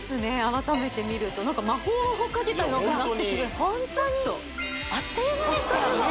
改めて見ると魔法をかけたのかなってぐらいスッとあっという間でしたよね